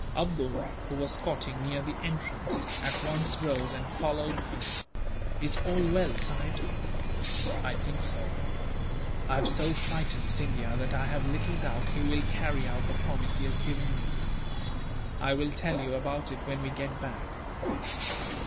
Abdool, who was squatting near the entrance, at once rose and followed him. "Is all well, sahib?" "I think so. I have so frightened Scindia that I have little doubt he will carry out the promise he has given me. I will tell you about it, when we get back."